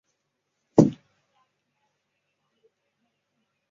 赛事由日本排球联赛机构管理。